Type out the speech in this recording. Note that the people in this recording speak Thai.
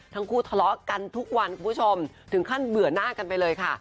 ทั้งคู่ทะเลาะกันทุกวันคุณผู้ชมถึงขั้นเบื่อหน้ากันไปเลยค่ะ